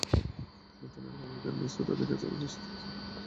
নতুন অ্যালবামের গান নিয়ে শ্রোতাদের কাছে আসার আনন্দে ফুরফুরে মেজাজে আছেন মিনার।